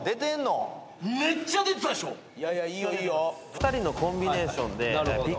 ２人のコンビネーションで。